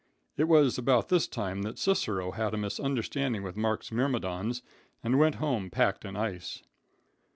It was about this time that Cicero had a misunderstanding with Mark's myrmidons and went home packed in ice.